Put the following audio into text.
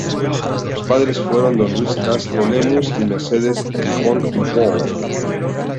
Sus padres fueron Don Luis Castro Lemus y Mercedes Jijón Bonne.